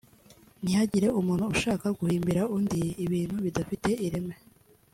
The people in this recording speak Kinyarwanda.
ntihagire umuntu ushaka guhimbira undi ibintu bidafite ireme